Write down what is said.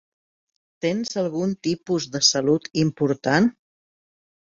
Tens algun tipus de salut important?